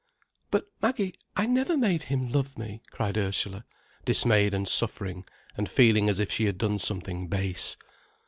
"But, Maggie, I never made him love me," cried Ursula, dismayed and suffering, and feeling as if she had done something base.